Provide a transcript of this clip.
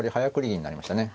銀になりましたね。